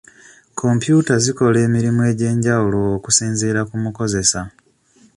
Kompyuta zikola emirimu egy'enjawulo okusinziira ku mukozesa.